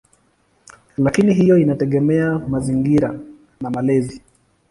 Lakini hiyo inategemea mazingira na malezi.